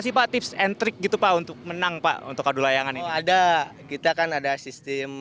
sih pak tips and trick gitu pak untuk menang pak untuk adu layangan ini ada kita kan ada sistem